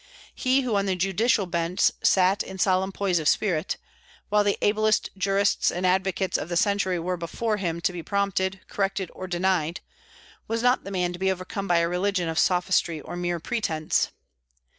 He who on the judicial bench sat in solemn poise of spirit, while the ablest jurists and advocates of the century were before him to be prompted, corrected, or denied, was not the man to be overcome by a religion of sophistry or mere pretence.